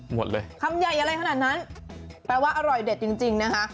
หมดเลยคำใหญ่อะไรขนาดนั้นแปลว่าอร่อยเด็ดจริงจริงนะคะ